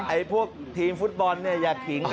ไอ้พวกทีมฟุตบอลเนี่ย